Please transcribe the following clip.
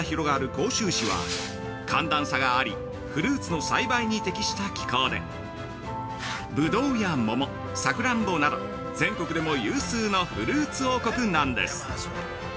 甲州市は寒暖差があり、フルーツの栽培に適した気候でぶどうや桃、さくらんぼなど全国でも有数のフルーツ王国なんです。